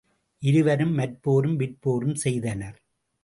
இருவரும் மற்போரும் விற்போரும் செய்தனர்.